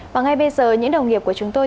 và ngay bây giờ những đồng nghiệp của chúng tôi